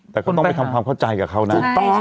แต่ก็ต้องไปทำความเข้าใจกับเขานะ